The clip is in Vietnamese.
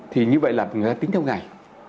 thì như vậy là người ta tính theo ngày